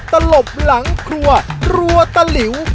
ตลบหลังครัวรัวตะหลิว